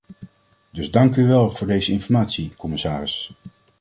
Dus dank u wel voor deze informatie, commissaris.